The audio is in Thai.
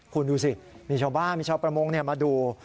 คุณดูสิมีชาวบ้านมีชาวประมงมาดู